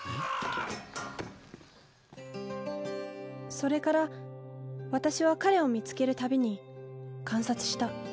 それから私は彼を見つける度に観察した。